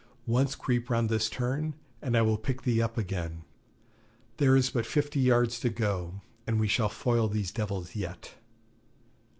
Once creep round this turn, and I will pick thee up again. There is but fifty yards to go, and we shall foil these devils yet!'